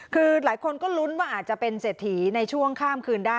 คือหลายคนก็ลุ้นว่าอาจจะเป็นเศรษฐีในช่วงข้ามคืนได้